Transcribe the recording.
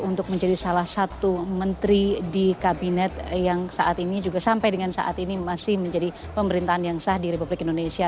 untuk menjadi salah satu menteri di kabinet yang saat ini juga sampai dengan saat ini masih menjadi pemerintahan yang sah di republik indonesia